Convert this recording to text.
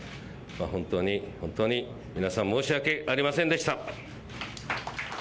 本当に本当に、皆さん、申し訳ありませんでした。